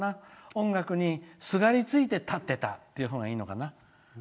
音楽にすがり付いて立ってたって言ったほうがいいのかな。